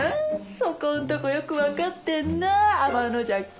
そこんとこよく分かってんな天の邪鬼。